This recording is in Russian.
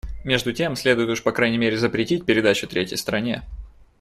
Между тем следует уж по крайней мере запретить передачу третьей стране.